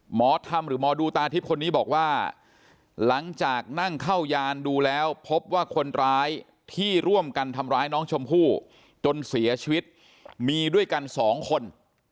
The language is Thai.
หมอธรรมหรือหมอดูตาทิพย์คนนี้บอกว่าหลังจากนั่งเข้ายานดูแล้วพบว่าคนร้ายที่ร่วมกันทำร้ายน้องชมพู่จนเสียชีวิตมีด้วยกันสองคน